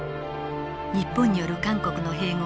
日本による韓国の併合。